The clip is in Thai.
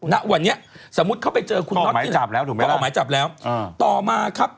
ณวันนี้สมมุติเข้าไปเจอคุณน็อตนั้นก็ออกหมายจับแล้วถูกไหมครับ